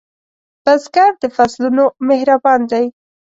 بزګر د فصلونو مهربان دی